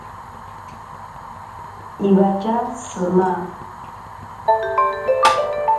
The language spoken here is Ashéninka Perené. Iwatya shima.